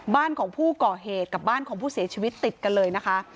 บ้านของผู้ก่อเหตุกับบ้านของผู้เสียชีวิตติดกันเลยนะคะ